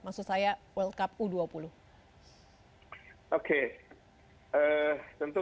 maksud saya world cup u dua puluh oke tentu